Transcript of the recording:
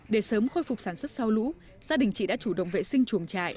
để sớm khôi phục sản xuất sau lũ gia đình chị đã chủ động vệ sinh chuồng trại